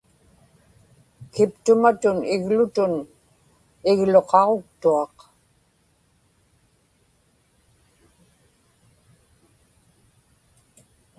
kiptumatun iglutun igluqaġuktuaq